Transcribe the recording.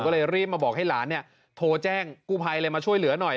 ก็เลยรีบมาบอกให้หลานโทรแจ้งกู้ภัยเลยมาช่วยเหลือหน่อย